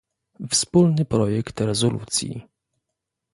Wspólny projekt rezolucji